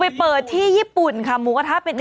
ไปเปิดที่ญี่ปุ่นค่ะ